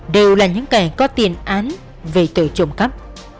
đều là những kẻ có tiền án về tội trộm cắp